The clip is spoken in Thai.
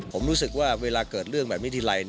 ผมรู้สึกว่าเวลาเกิดเรื่องแบบนี้ทีไร